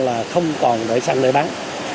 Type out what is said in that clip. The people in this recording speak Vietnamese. là không còn đợi xăng để bán